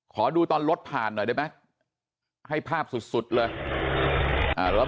ขอดูตอนรถผ่านหน่อยได้ไหมให้ภาพสุดสุดเลยอ่ารถ